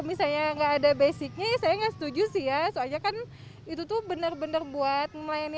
misalnya nggak ada basicnya saya nggak setuju sih ya soalnya kan itu tuh bener bener buat melayani